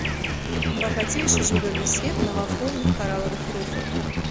Багацейшы жывёльны свет навакольных каралавых рыфаў.